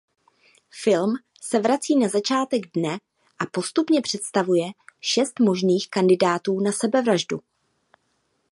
Film se vrací na začátek dne a postupně představuje šest možných kandidátů na sebevraždu.